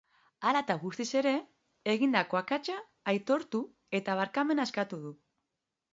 Hala eta guztiz ere, egindako akatsa aitortu eta barkamena eskatu du.